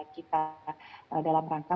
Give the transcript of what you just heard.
kita dalam rangka